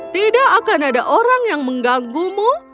tidak akan ada orang yang mengganggumu